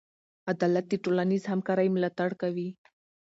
عدالت د ټولنیز همکارۍ ملاتړ کوي.